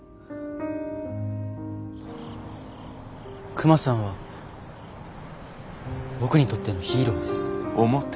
クマさんは僕にとってのヒーローです。